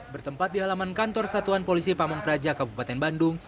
bertempat di halaman kantor satuan polisi pamung praja kabupaten bandung